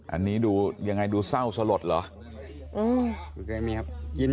อันนี้ดูยังไงดูเศร้าสลดเหรอ